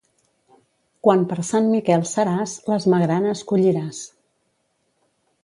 Quan per Sant Miquel seràs, les magranes colliràs.